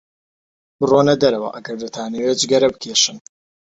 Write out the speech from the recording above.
بڕۆنە دەرەوە ئەگەر دەتانەوێت جگەرە بکێشن.